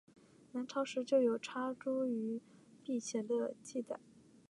南朝时就有插茱萸辟邪的记载。